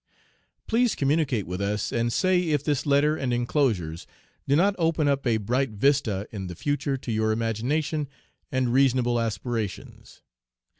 Please communicate with us and say if this letter and inclosures do not open up a bright vista in the future to your imagination and reasonable aspirations?